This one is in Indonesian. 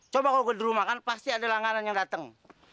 coba kalau gue di rumah kan pasti ada langganan yang dateng